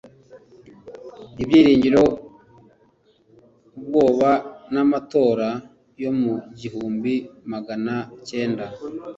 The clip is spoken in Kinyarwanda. ibyiringiro, ubwoba n'amatora yo mu gihumbi maga na cyenda